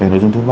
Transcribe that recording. nội dung thứ ba